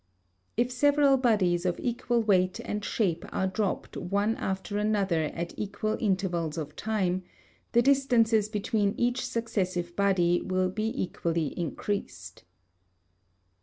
It several bodies of equal weight and shape are dropped one after another at equal intervals of time, the distances between each successive body will be equally increased.